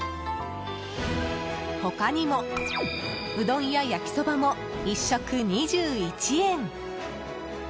他にも、うどんや焼きそばも１食２１円。